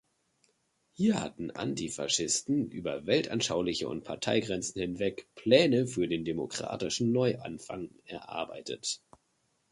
Hier hatten Antifaschisten über weltanschauliche und Parteigrenzen hinweg Pläne für den demokratischen Neuanfang erarbeitet.